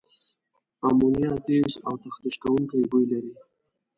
امونیا تیز او تخریش کوونکي بوی لري.